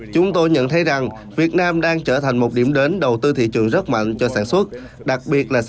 chúng tôi nhận thấy rằng việt nam đang trở thành một điểm đến đầu tư thị trường rất mạnh cho sản xuất